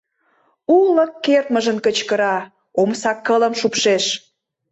Уло кертмыжын кычкыра, омса кылым шупшеш.